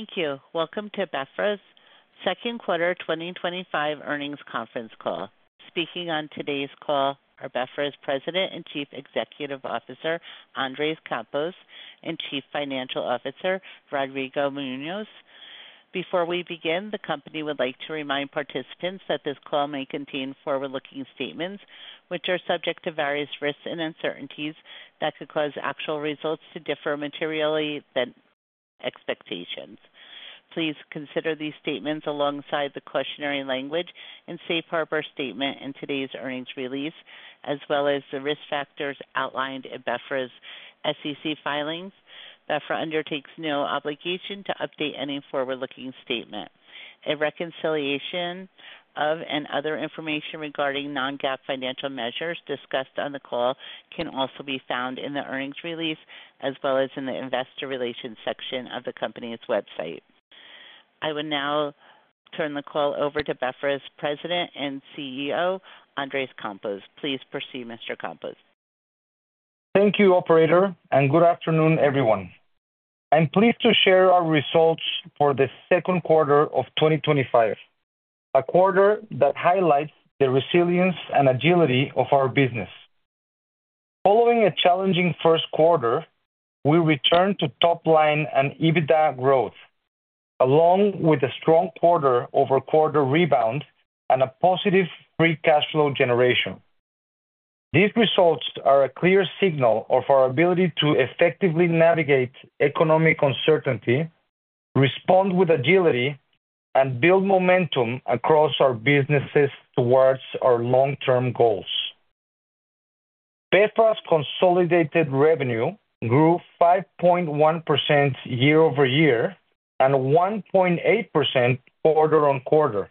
Thank you. Welcome to BeFra's second quarter 2025 earnings conference call. Speaking on today's call are BeFra's President and Chief Executive Officer Andres Campos and Chief Financial Officer Rodrigo Muñoz. Before we begin, the company would like to remind participants that this call may contain forward-looking statements which are subject to various risks and uncertainties that could cause actual results to differ materially from expectations. Please consider these statements alongside the cautionary language and safe harbor statement in today's earnings release as well as the risk factors outlined in BeFra's SEC filings. BeFra undertakes no obligation to update any forward-looking statement. A reconciliation of and other information regarding non-GAAP financial measures discussed on the call can also be found in the earnings release as well as in the Investor Relations section of the company's website. I will now turn the call over to BeFra's President and CEO Andres Campos. Please proceed, Mr. Campos. Thank you, Operator, and good afternoon, everyone. I'm pleased to share our results for the second quarter of 2025, a quarter that highlights the resilience and agility of our business. Following a challenging first quarter, we returned to top-line and EBITDA growth along with a strong quarter-over-quarter rebound and a positive free cash flow generation. These results are a clear signal of our ability to effectively navigate economic uncertainty, respond with agility, and build momentum across our businesses towards our long-term goals. BeFra's consolidated revenue grew 5.1% year-over-year and 1.8% quarter-over-quarter,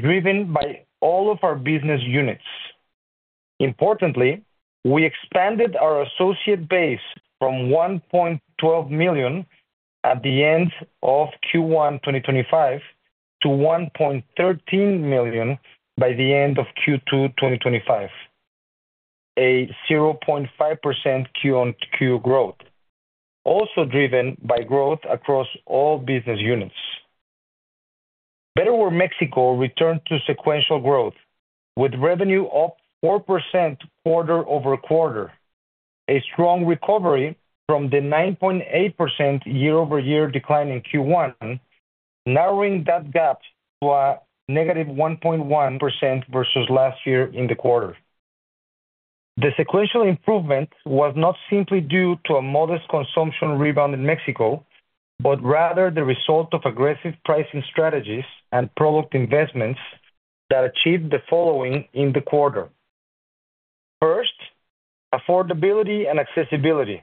driven by all of our business units. Importantly, we expanded our associate base from 1.12 million at the end of Q1 2025 to 1.13 million by the end of Q2 2025, a 0.5% quarter-over-quarter growth also driven by growth across all business units. Betterware Mexico returned to sequential growth with revenue up 4% quarter-over-quarter, a strong recovery from the 9.8% year-over-year decline in Q1, narrowing that gap to a negative 1.1% versus last year in the quarter. The sequential improvement was not simply due to a modest consumption rebound in Mexico, but rather the result of aggressive pricing strategies and product investments that achieved the following in the quarter. First, affordability and accessibility.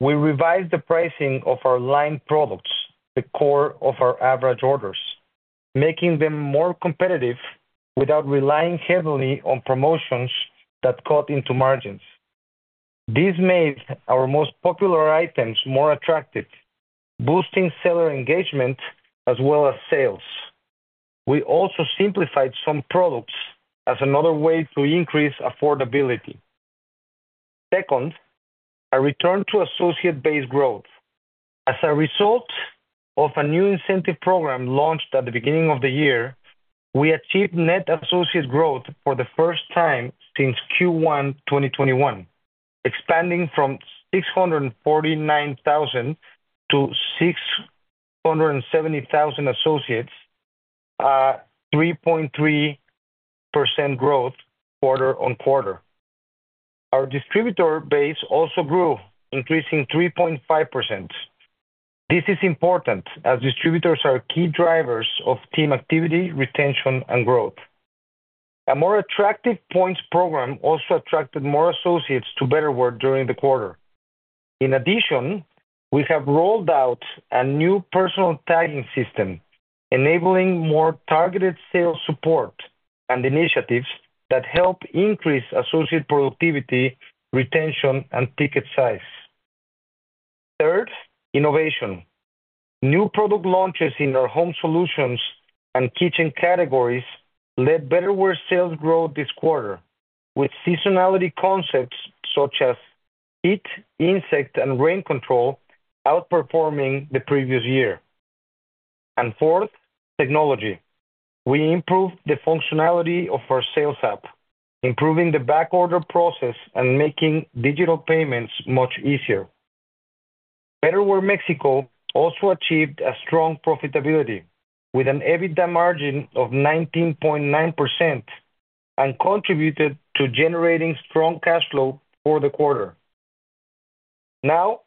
We revised the pricing of our line products, the core of our average orders, making them more competitive without relying heavily on promotions that cut into margins. This made our most popular items more attractive, boosting seller engagement as well as sales. We also simplified some products as another way to increase affordability. Second, a return to associate base growth as a result of a new incentive program launched at the beginning of the year. We achieved net associate growth for the first time since Q1 2021, expanding from 649,000 to 670,000 associates, 3.3% growth quarter-over-quarter. Our distributor base also grew, increasing 3.5%. This is important as distributors are key drivers of team activity, retention, and growth. A more attractive points program also attracted more associates to Betterware during the quarter. In addition, we have rolled out a new personal tagging system, enabling more targeted sales support and initiatives that help increase associate productivity, retention, and ticket size. Third, innovation, new product launches in our home solutions and kitchen categories led Betterware sales growth this quarter, with seasonality concepts such as heat, insect, and rain control outperforming the previous year. Fourth, technology, we improved the functionality of our sales app, improving the backorder process and making digital payments much easier. Betterware Mexico also achieved strong profitability with an EBITDA margin of 19.9% and contributed to generating strong cash flow for the quarter. Now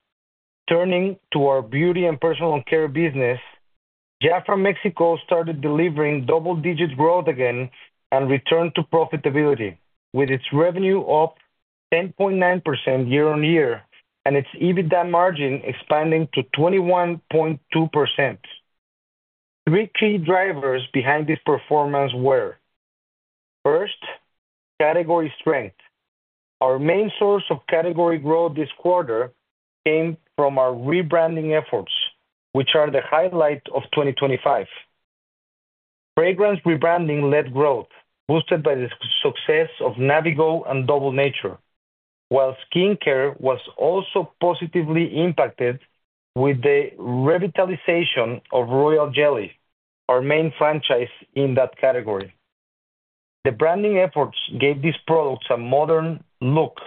turning to our beauty and personal care business, JAFRA Mexico started delivering double-digit growth again and returned to profitability, with its revenue up 10.9% year-over-year and its EBITDA margin expanding to 21.2%. Three key drivers behind this performance were: first, category strength. Our main source of category growth this quarter came from our rebranding efforts, which are the highlight of 2025. Fragrance rebranding led growth, boosted by the success of Navigo and Double Nature, while skin care was also positively impacted with the revitalization of Royal Jelly, our main franchise in that category. The branding efforts gave these products a modern look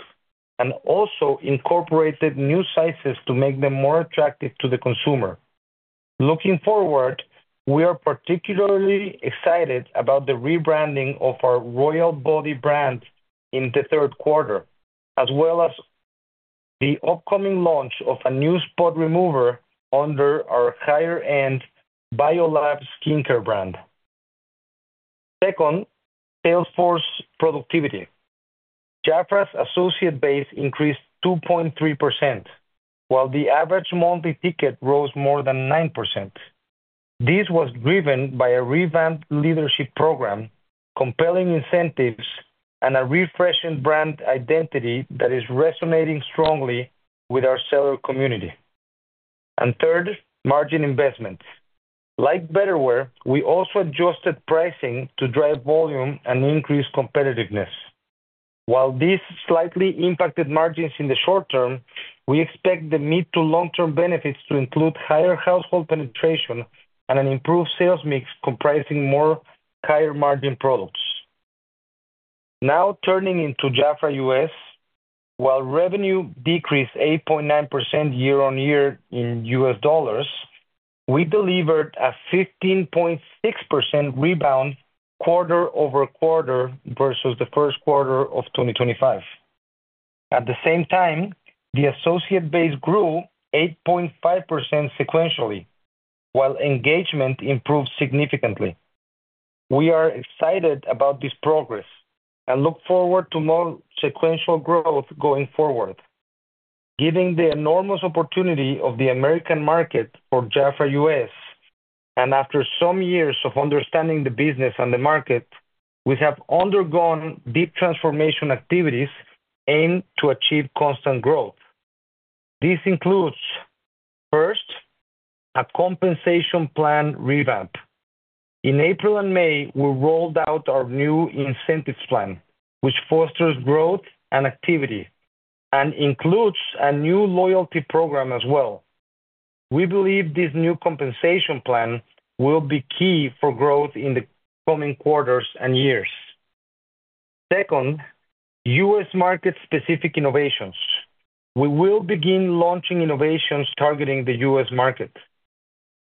and also incorporated new sizes to make them more attractive to the consumer. Looking forward, we are particularly excited about the rebranding of our Royal Body brand in the third quarter, as well as the upcoming launch of a new Spot Remover under our higher-end BioLab skincare brand. Second, Salesforce productivity. JAFRA's associate base increased 2.3% while the average monthly ticket rose more than 9%. This was driven by a revamped leadership program, compelling incentives, and a refreshing brand identity that is resonating strongly with our seller community. Third, margin investment. Like Betterware, we also adjusted pricing to drive volume and increase competitiveness. While this slightly impacted margins in the short term, we expect the mid to long-term benefits to include higher household penetration and an improved sales mix comprising more higher-margin products. Now turning to JAFRA U.S., while revenue decreased 8.9% year-on-year in U.S. dollars, we delivered a 15.6% rebound quarter-over-quarter versus the first quarter of 2025. At the same time, the associate base grew 8.5% sequentially while engagement improved significantly. We are excited about this progress and look forward to more sequential growth going forward. Given the enormous opportunity of the American market for JAFRA U.S. and after some years of understanding the business and the market, we have undergone deep transformation activities aimed to achieve constant growth. This includes, first, a compensation plan revamp. In April and May, we rolled out our new incentives plan, which fosters growth and activity and includes a new loyalty program as well. We believe this new compensation plan will be key for growth in the coming quarters and years. Second, U.S. market specific innovations. We will begin launching innovations targeting the U.S. market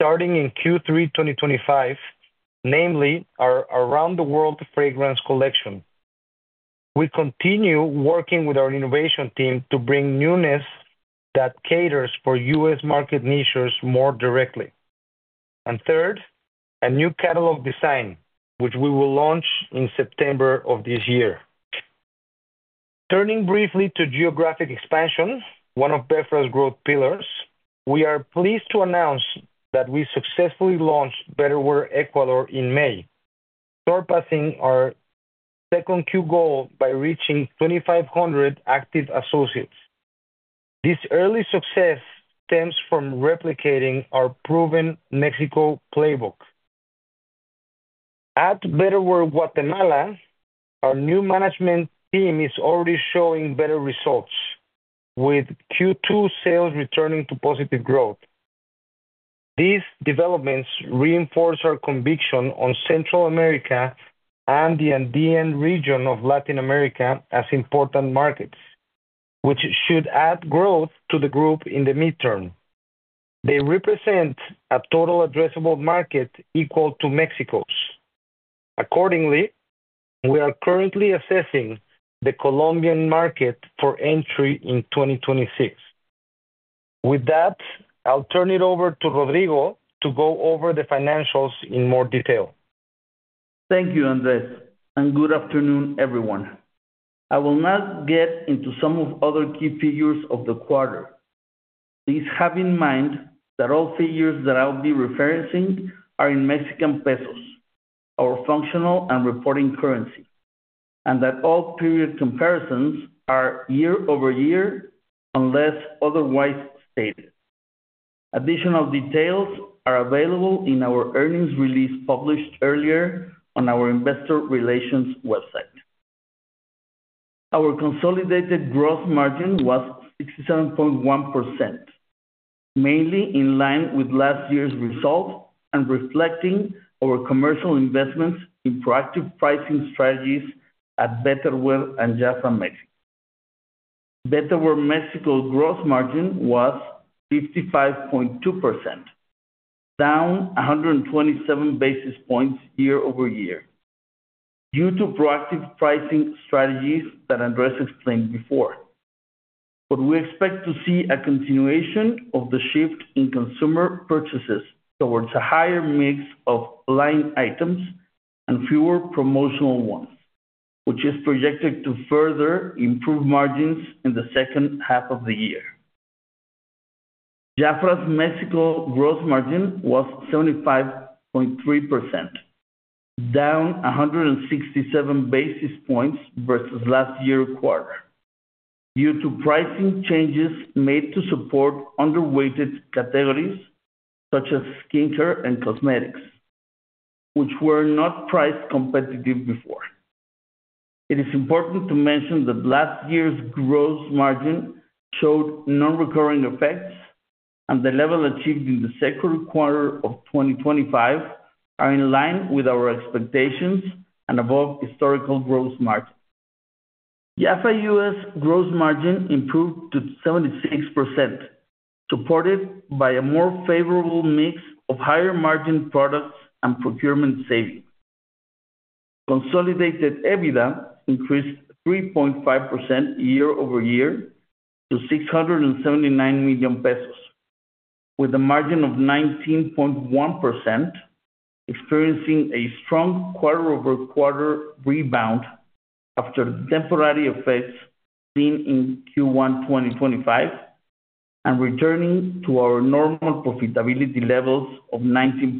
starting in Q3 2025, namely our Around the World fragrance collection. We continue working with our innovation team to bring newness that caters for U.S. market niches more directly, and third, a new catalog design, which we will launch in September of this year. Turning briefly to geographic expansion, one of BeFra's growth pillars, we are pleased to announce that we successfully launched Betterware Ecuador in May, surpassing our Q2 goal by reaching 2,500 active associates. This early success stems from replicating our proven Mexico playbook. At Betterware Guatemala, our new management team is already showing better results, with Q2 sales returning to positive growth. These developments reinforce our conviction on Central America and the Andean region of Latin America as important markets which should add growth to the group in the midterm. They represent a total addressable market equal to Mexico's. Accordingly, we are currently assessing the Colombian market for entry in 2026. With that, I'll turn it over to Rodrigo to go over the financials in more detail. Thank you Andres and good afternoon everyone. I will now get into some of the other key figures of the quarter. Please have in mind that all figures that I'll be referencing are in Mexican Pesos, our functional and reporting currency, and that all period comparisons are year-over-year unless otherwise stated. Additional details are available in our earnings release published earlier on our Investor Relations website. Our consolidated gross margin was 67.1%, mainly in line with last year's results and reflecting our commercial investments in proactive pricing strategies at Betterware and JAFRA Mexico. Betterware Mexico gross margin was 55.2%, down 127 basis points year-over-year due to proactive pricing strategies that Andres explained before. We expect to see a continuation of the shift in consumer purchases towards a higher mix of line items and fewer promotional ones, which is projected to further improve margins in the second half of the year. JAFRA's Mexico gross margin was 75.3%, down 167 basis points versus last year quarter due to pricing changes made to support underweighted categories such as skincare and cosmetics which were not price competitive before. It is important to mention that last year's gross margin showed non-recurring effects, and the level achieved in the second quarter of 2025 is in line with our expectations and above historical gross margin. JAFRA U.S. gross margin improved to 76% supported by a more favorable mix of higher margin products and procurement savings. Consolidated EBITDA increased 3.5% year-over-year to MXN $679 million with a margin of 19.1%, experiencing a strong quarter-over-quarter rebound after temporary effects seen in Q1 2025 and returning to our normal profitability levels of 19%.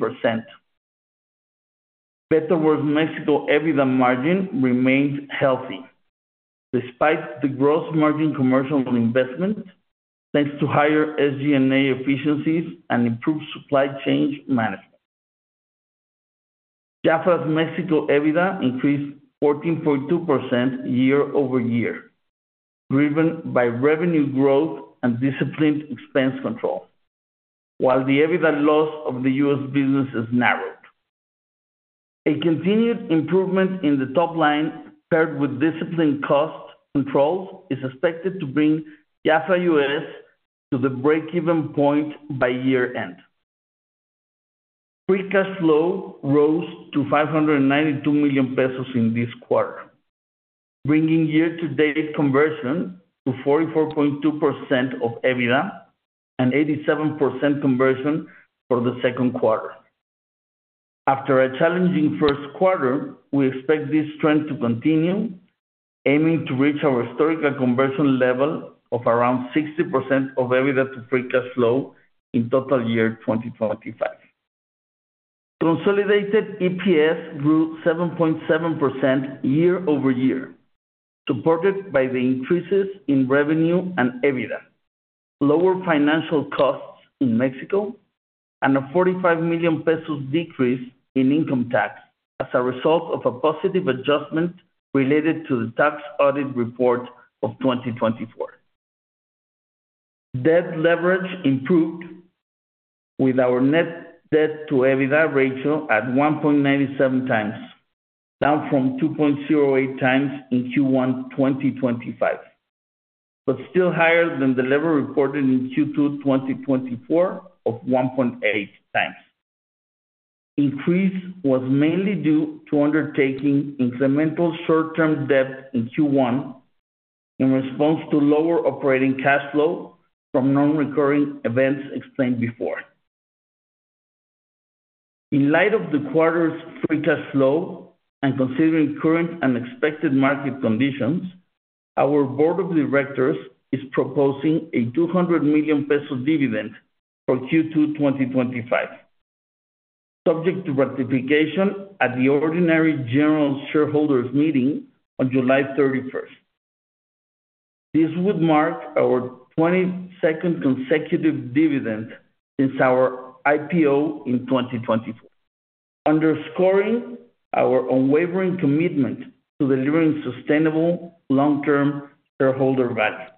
Betterware Mexico EBITDA margin remained healthy despite the gross margin commercial investment thanks to higher SGA efficiencies and improved supply chain management. JAFRA's Mexico EBITDA increased 14.2% year-over-year driven by revenue growth and disciplined expense control. While the EBITDA loss of the U.S. business has narrowed. A continued improvement in the top line paired with disciplined cost controls is expected to bring JAFRA U.S. to the breakeven point by year end. Free cash flow rose to MXN $592 million in this quarter, bringing year-to-date conversion to 44.2% of EBITDA, an 87% conversion for the second quarter. After a challenging first quarter, we expect this trend to continue, aiming to reach our historical conversion level of around 60% of EBITDA to free cash flow in total year 2025. Consolidated EPS grew 7.7% year-over-year supported by the increases in revenue and EBITDA, lower financial costs in Mexico, and a MXN $45 million decrease in income tax as a result of a positive adjustment related to the tax audit report of 2024. Debt leverage improved with our net debt to EBITDA ratio at 1.97x, down from 2.08x in Q1 2025 but still higher than the level reported in Q2 2024 of 1.8x. Increase was mainly due to undertaking incremental short-term debt in Q1 in response to lower operating cash flow from non-recurring events explained before. In light of the quarter's free cash flow and considering current and expected market conditions, our Board of Directors is proposing a MXN $200 million dividend for Q2 2025 subject to rectification at the Ordinary General Shareholders Meeting on July 31st. This would mark our 22nd consecutive dividend since our IPO in 2024. Underscoring our unwavering commitment to delivering sustainable long-term shareholder value,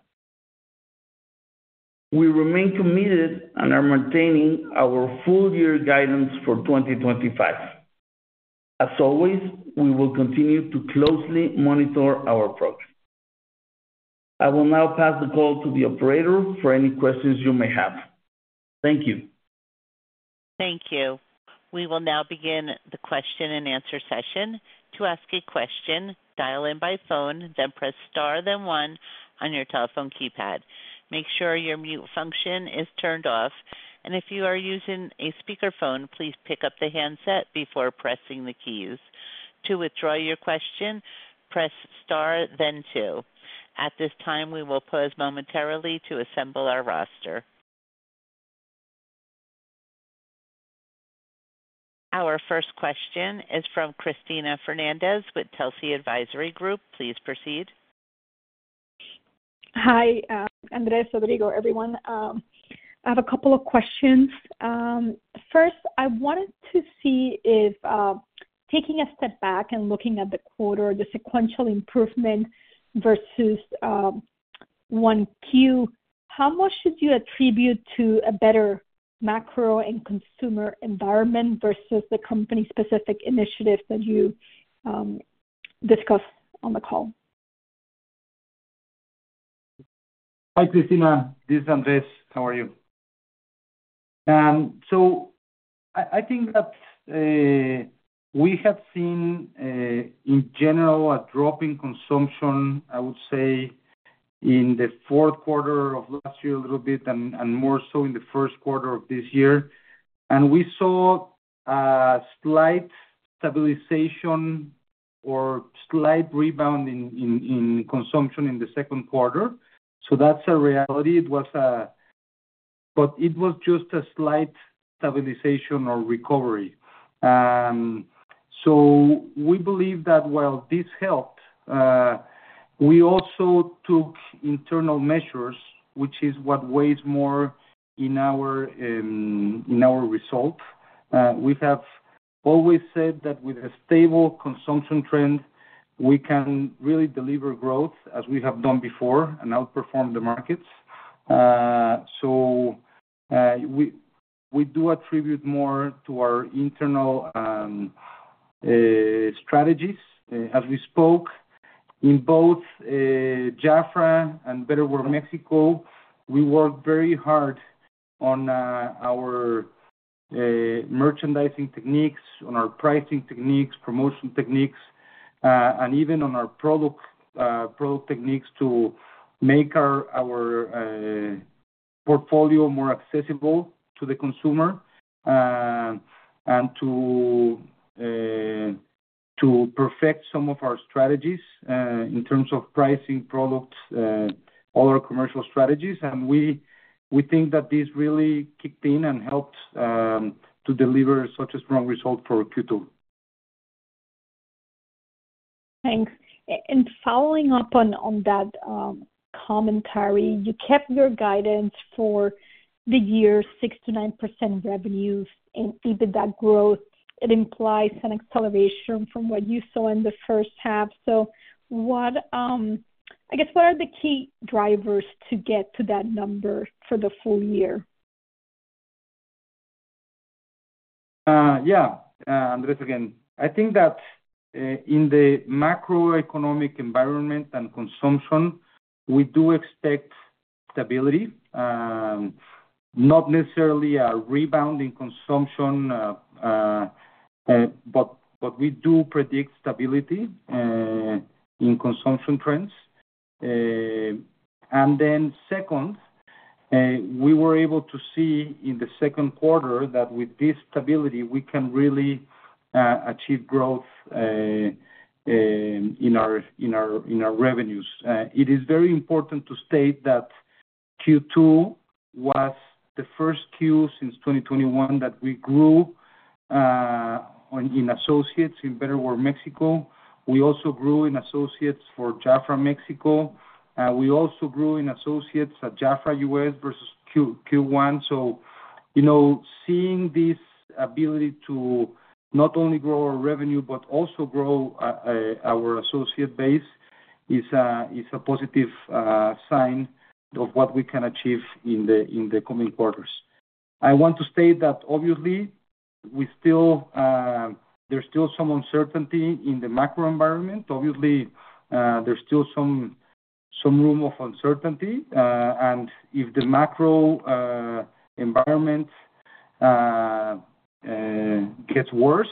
we remain committed and are maintaining our full year guidance for 2025. As always, we will continue to closely monitor our progress. I will now pass the call to the operator for any questions you may have. Thank you. Thank you. We will now begin the question and answer session. To ask a question, dial in by phone, then press star then one. On your telephone keypad, make sure your mute function is turned off, and if you are using a speakerphone, please pick up the handset before pressing the keys. To withdraw your question, press star then two. At this time, we will pause momentarily to assemble our roster. Our first question is from Cristina Fernández with Telsey Advisory Group. Please proceed. Hi, Andres, Rodrigo, everyone. I have a couple of questions. First, I wanted to see if taking a step back and looking at the quarter, the sequential improvement versus 1Q, how much should you attribute to a better macro and consumer environment versus the company specific initiatives that you discuss on the call? Hi, Cristina, this is Andres. How are you? I think that we have seen in general a drop in consumption, I would say in the fourth quarter of last year, a little bit and more so in the first quarter of this year. We saw slight stabilization or slight rebound in consumption in the second quarter. That's a reality. It was just a slight stabilization or recovery. We believe that while this helped, we also took internal measures, which is what weighs more in our results. We have always said that with a stable consumption trend, we can really deliver growth as we have done before and outperform the markets. So we do attribute more to our internal strategies. As we spoke, in both JAFRA and Betterware Mexico, we work very hard on our merchandising techniques, on our pricing techniques, promotion techniques, and even on our product techniques to make our portfolio more accessible to the consumer and to perfect some of our strategies in terms of pricing products, other commercial strategies. We think that this really kicked in and helped to deliver such a strong result for Q2. Thanks. Following up on that commentary, you kept your guidance for the year: 6%-9% revenues and EBITDA growth. It implies an acceleration from what you saw in the first half. What are the key drivers to get to that number for the full-year? Yeah, Andres, I think that in the macroeconomic environment and consumption, we do expect stability. Not necessarily a rebound in consumption, but we do predict stability in consumption trends. Second, we were able to see in the second quarter that with this stability we can really achieve growth in our revenues. It is very important to state that Q2 was the first quarter since 2021 that we grew in associates in Betterware Mexico. We also grew in associates for JAFRA Mexico. We also grew in associates at JAFRA U.S. versus Q1. Seeing this ability to not only grow our revenue but also grow our associate base is a positive sign of what we can achieve in the coming quarters. I want to state that obviously there's still some uncertainty in the macro environment. Obviously, there's still some room of uncertainty if the macro environment gets worse.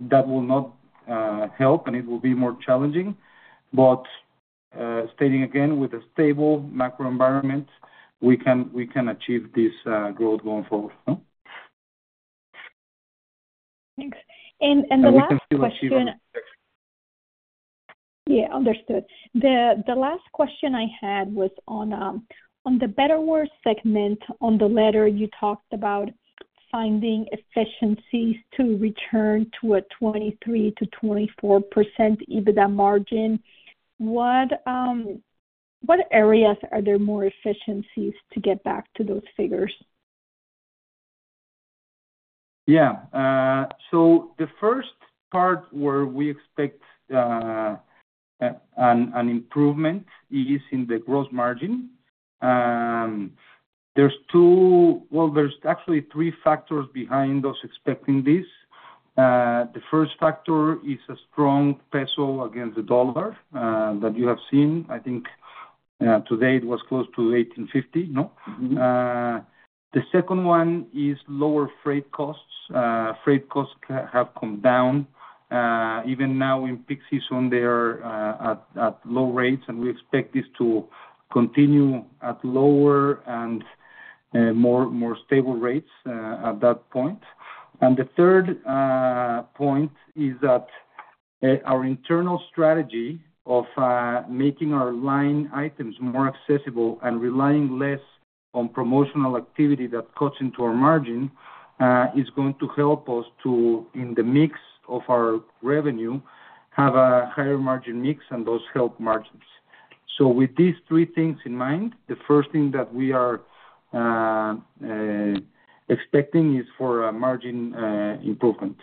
That will not help, and it will be more challenging. Stating again, with a stable macro environment, we can achieve this growth going forward. Thanks. The last question I had was on the Betterware segment. On the letter, you talked about finding efficiencies to return to a 23%-24% EBITDA margin. What areas are there more efficiencies to get back to those figures? Yeah, the first part where we expect an improvement is in the gross margin. There are two. Actually, there are three factors behind us expecting this. The first factor is a strong peso against the dollar that you have seen. I think today it was close to $18.50. The second one is lower freight costs. Freight costs have come down even now in peak season. They are at low rates, and we expect this to continue at lower and more stable rates at that point. The third point is that our internal strategy of making our line items more accessible and relying less on promotional activity that cuts into our margin is going to help us to, in the mix of our revenue, have a higher margin mix, and those help margins. With these three things in mind, the first thing that we are expecting is for margin improvement.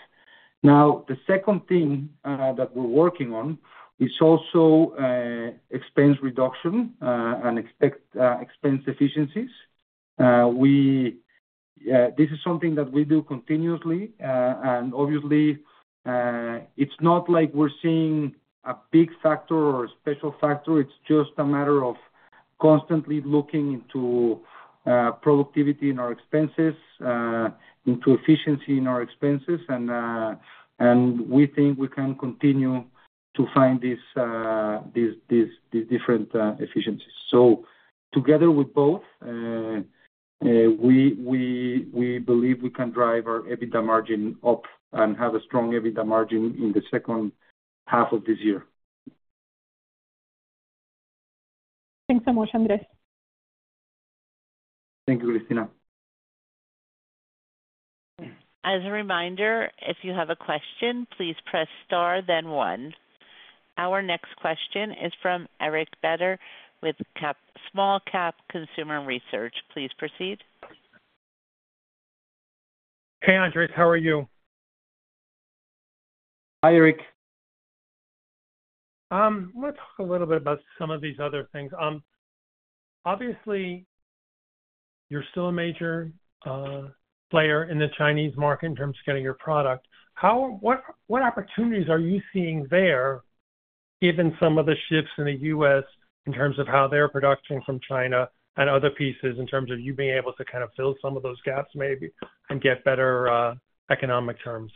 The second thing that we're working on is also expense reduction and expect expense efficiencies. This is something that we do continuously, and obviously it's not like we're seeing a big factor or special factor. It's just a matter of constantly looking into productivity in our expenses, into efficiency in our expenses. We think we can continue to find these different efficiencies. Together with both we believe we can drive our EBITDA margin up and have a strong EBITDA margin in the second half of this year. Thanks so much, Andres. Thank you, Cristina. As a reminder, if you have a question, please press Star then one. Our next question is from Eric Beder with Small Cap Consumer Research. Please proceed. Hey, Andres, how are you? Hi, Eric. Let's talk a little bit about some of these other things. Obviously you're still a major player in the Chinese market in terms of getting your product. What opportunities are you seeing there, given some of the shifts in the U.S. in terms of how they're production from China and other pieces, in terms of you being able to kind of fill some of those gaps maybe and get better economic terms?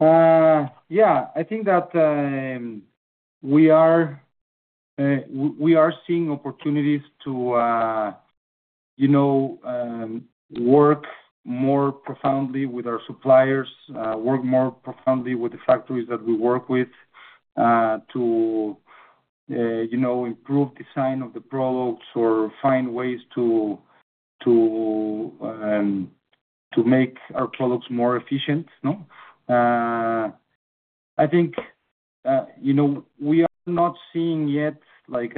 I think that we are seeing opportunities to work more profoundly with our suppliers, work more profoundly with the factories that we work with to improve design of the products or find ways to make our products more efficient. I think, you know, we are not seeing yet, like,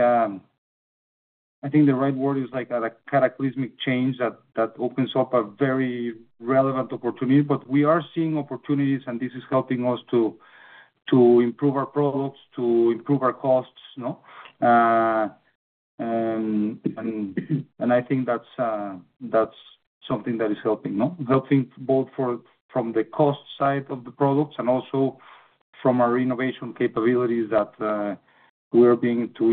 I think the right word is like a cataclysmic change that opens up a very relevant opportunity. We are seeing opportunities, and this is helping us to improve our products, to improve our costs. I think that's something that is helping both from the cost side of the products and also from our innovation capabilities. We're being able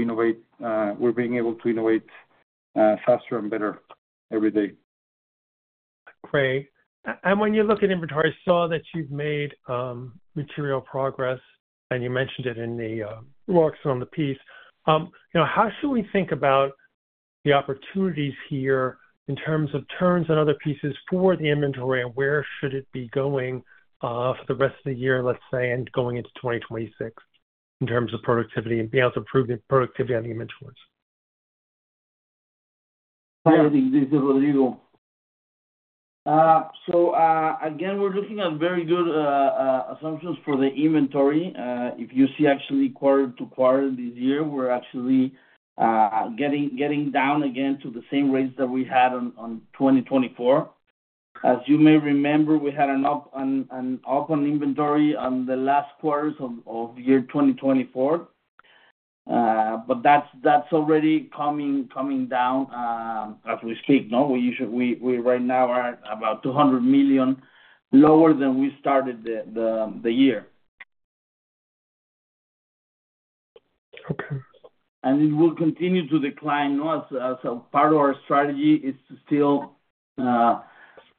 to innovate faster and better every day, Great. When you look at inventory, I saw that you've made material progress and you mentioned it in the works on the piece. How should we think about the opportunities here in terms of turns and other pieces for the inventory, and where should it be going for the rest of the year, let's say, and going into 2026 in terms of productivity and be able to improve the productivity on the inventory. We're looking at very good assumptions for the inventory. If you see actually quarter to quarter this year, we're actually getting down again to the same rates that we had in 2024. As you may remember, we had an up and open inventory on the last quarters of the year 2024, but that's already coming down as we speak. We right now are about MXN $200 million lower than we started the year. Okay. It will continue to decline. Part of our strategy is to still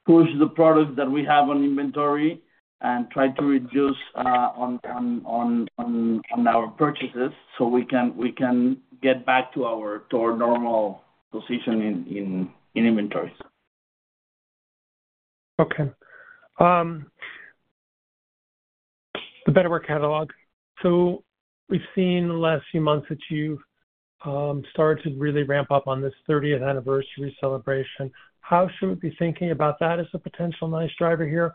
push the product that we have on inventory and try to reduce on our purchases, so we can get back to our normal position in inventories. Okay. The Betterware catalog, we've seen the last few months that you started to really ramp up on this 30th anniversary celebration. How should we be thinking about that as a potential nice driver here?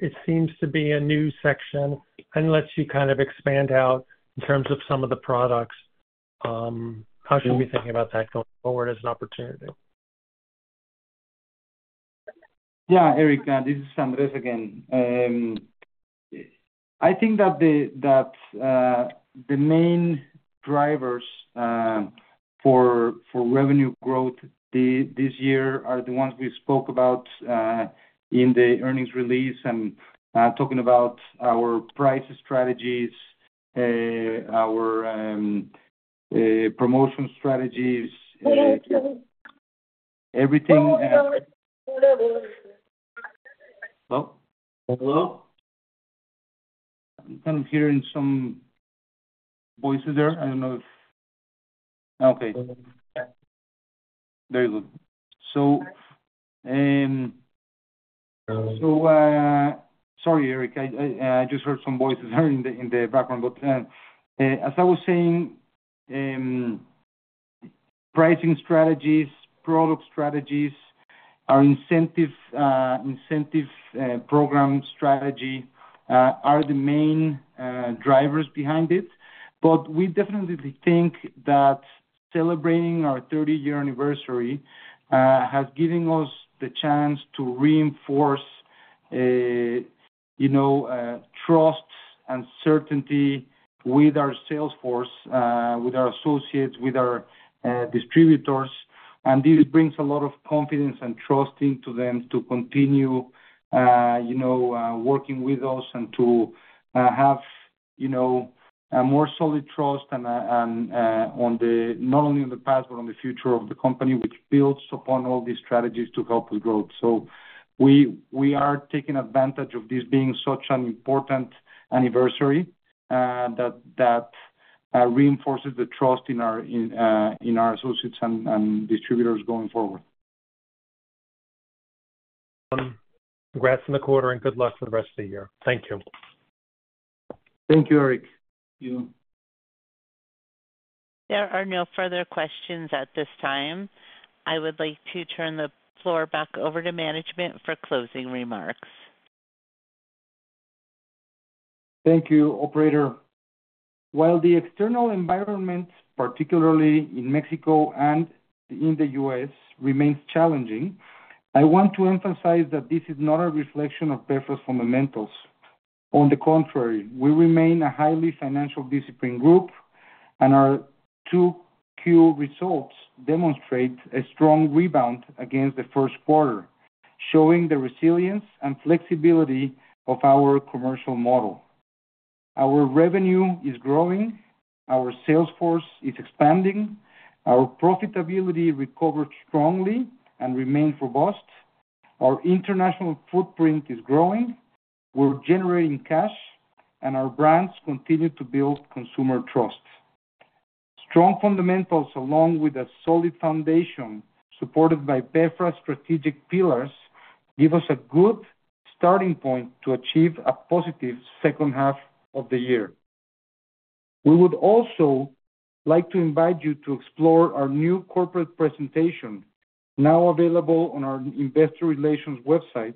It seems to be a new section and lets you kind of expand out in terms of some of the products. How should we be thinking about that going forward as an opportunity? Yeah, Eric, this is Andres again. I think that the main drivers for revenue growth this year are the ones we spoke about in the earnings release, and talking about our price strategies, our promotion strategies, everything. You kind of hearing some voices there. I don't know if. Yeah. Okay, very good. Sorry, Eric, I just heard some voices in the background. As I was saying, pricing strategies, product strategies, and our incentive program strategy are the main drivers behind it. We definitely think that celebrating our 30-year anniversary has given us the chance to reinforce trust and certainty with our sales force, with our associates, with our distributors. This brings a lot of confidence and trust into them to continue working with us and to have a more solid trust not only in the past, but in the future of the company, which builds upon all these strategies to help with growth. We are taking advantage of this being such an important anniversary that reinforces the trust in our associates and distributors going forward. Congrats on the quarter and good luck for the rest of the year. Thank you. Thank you, Eric. There are no further questions at this time. I would like to turn the floor back over to management for closing remarks. Thank you, operator. While the external environment, particularly in Mexico and in the U.S., remains challenging, I want to emphasize that this is not a reflection of BeFra's fundamentals. On the contrary, we remain a highly financially disciplined group, and our 2Q results demonstrate a strong rebound against the first quarter, showing the resilience and flexibility of our commercial model. Our revenue is growing, our sales force is expanding, our profitability recovered strongly and remains robust. Our international footprint is growing, we're generating cash, and our brands continue to build consumer trust. Strong fundamentals, along with a solid foundation supported by BeFra strategic pillars, give us a good starting point to achieve a positive second half of the year. We would also like to invite you to explore our new corporate presentation, now available on our investor relations website,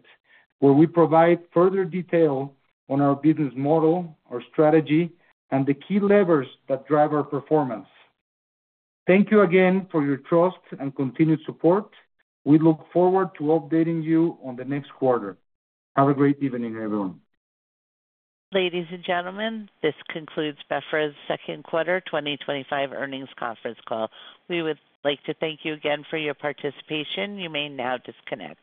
where we provide further detail on our business model, our strategy, and the key levers that drive our performance. Thank you again for your trust and continued support. We look forward to updating you on the next quarter. Have a great evening, everyone. Ladies and Gentlemen, this concludes BeFra's second quarter 2025 earnings conference call. We would like to thank you again for your participation. You may now disconnect.